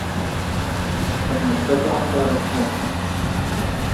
Texdem-d Fatiḥa tiɣṛifin ass-a.